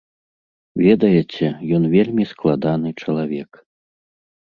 Ведаеце, ён вельмі складаны чалавек.